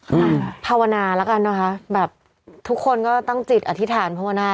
ค่ะภาวนาแล้วกันนะคะแบบทุกคนก็ตั้งจิตอธิษฐานภาวนา